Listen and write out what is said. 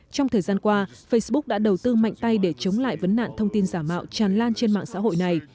trong thời gian qua facebook đã đầu tư mạnh tay để chống lại vấn nạn thông tin giả mạo tràn lan trên mạng xã hội này